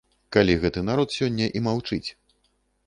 Калі гэты народ сёння і маўчыць.